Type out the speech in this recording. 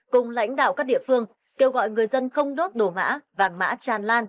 cùng lãnh đạo các địa phương kêu gọi người dân không đốt đồ mã vàng mã tràn lan